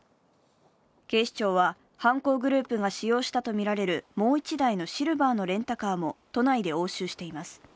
警視庁は犯行グループが使用したとみられるもう１台のシルバーのレンタカーも都内で押収しています。